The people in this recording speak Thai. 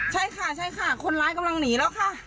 ใช่ค่ะใช่ค่ะคนร้ายกำลังหนีแล้วค่ะ